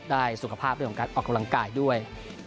สุขภาพเรื่องของการออกกำลังกายด้วย